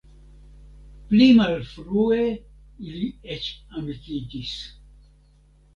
Pli malfrue ili eĉ amikiĝis.